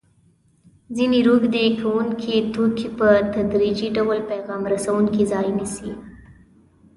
ځیني روږدي کوونکي توکي په تدریجي ډول پیغام رسوونکو ځای نیسي.